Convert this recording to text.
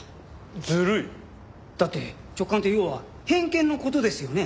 だって直感って要は偏見の事ですよね？